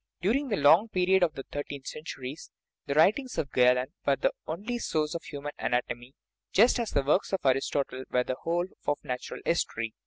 During the long period of thirteen centuries the writings of Ga len were almost the only source of human anatomy, just as the works of Aristotle were for the whole of nat ural history.